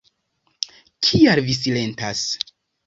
Kial vi silentas?